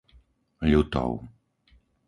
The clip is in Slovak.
Ľutov